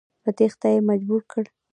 په تېښته یې مجبور کړ.